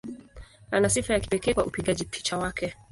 Ana sifa ya kipekee kwa upigaji picha wake.